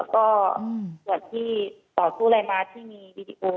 ก็ส่วนที่ต่อสู้อะไรมาที่มีวีดีโอ